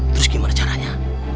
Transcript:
terus gimana caranya